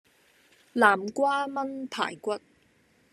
南瓜炆排骨